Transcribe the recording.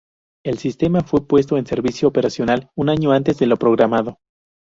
El sistema fue puesto en servicio operacional un año antes de lo programado.